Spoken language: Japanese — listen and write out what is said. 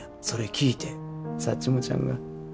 それ聞いてサッチモちゃんが。